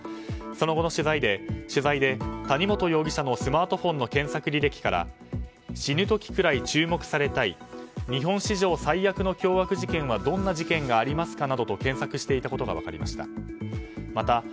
その後の取材で谷本容疑者のスマートフォンの検索履歴から死ぬ時くらい注目されたい日本史上最悪の凶悪事件はどんな事件がありますかなどと検索していたことが分かりました。